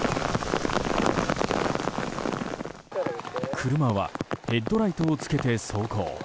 車はヘッドライトをつけて走行。